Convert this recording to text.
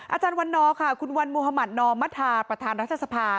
อาจารย์วันนอร์ค่ะคุณวันมุธมัธนอมธาประธานรัฐสภา